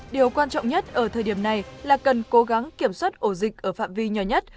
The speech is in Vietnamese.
điều quan trọng nhất ở thời điểm này là cần cố gắng kiểm soát ổ dịch ở phạm vi nhỏ nhất